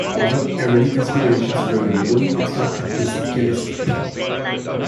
Other early inspirations were Louis Armstrong and Dizzy Gillespie.